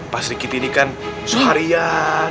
pak sri kiti ini kan harian